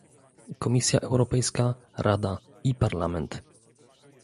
Komisja Europejska, Rada i Parlament